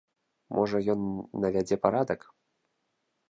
Можа, ён навядзе парадак.